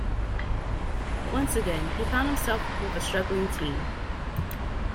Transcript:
Once again, he found himself with a struggling team.